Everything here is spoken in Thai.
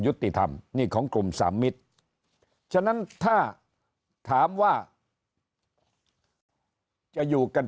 ยุติธรรมนี่ของกลุ่มสามมิตรฉะนั้นถ้าถามว่าจะอยู่กัน